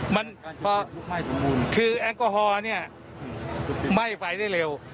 มันพอคือแอลกอฮอล์เนี่ยไหม้ไฟได้เร็ว